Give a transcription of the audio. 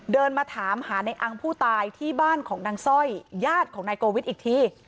เดินมาถามหาในอังผู้ตายที่บ้านของนางสร้อยญาติของนายโกวิทย์อีกที